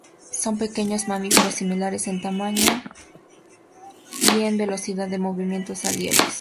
Son pequeños mamíferos similares en tamaño y en velocidad de movimientos a las liebres.